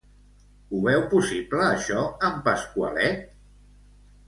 Ho veu possible, això, en Pasqualet?